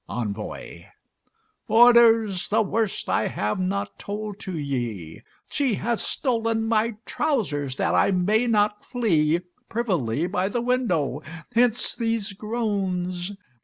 ENVOY Boarders! the worst I have not told to ye: She hath stolen my trousers, that I may not flee Privily by the window. Hence these groans.